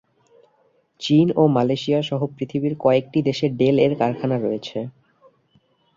চীন ও মালয়েশিয়া সহ পৃথিবীর কয়েকটি দেশে ডেল-এর কারখানা রয়েছে।